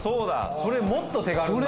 それもっと手軽になる。